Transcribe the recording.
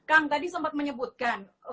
kang tadi sempat menyebutkan